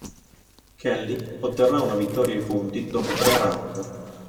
Kelly otterrà una vittoria ai punti dopo tre round.